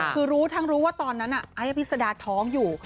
คือรู้ทั้งรู้ว่าตอนนั้นไอ้อภิษดาท้องอยู่